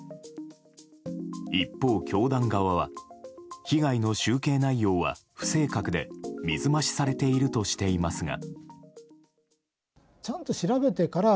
一方、教団側は被害の集計内容は不正確で水増しされているとしていますが。